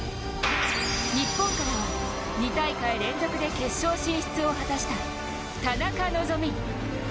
日本からは２大会連続で決勝進出を果たした田中希実。